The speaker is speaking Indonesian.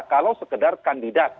kalau sekedar kandidat